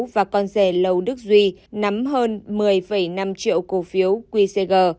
và con rẻ lâu đức duy nắm hơn một mươi năm triệu cổ phiếu qcg